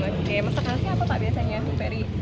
masakan khasnya apa pak biasanya ibu ferry